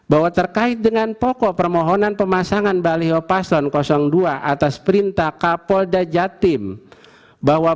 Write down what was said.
bahwa terkait dengan pokok permohonan pemasangan baliho paslon dua atas perintah kapolda jatim bahwa